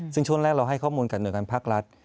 ซึ่งช่วงแรกเราให้ข้อมูลกับหน่วยงานภาครัฐ